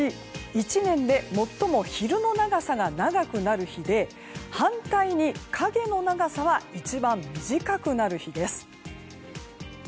１年で最も昼の長さが長くなる日で反対に影の長さは一番短くなる日です。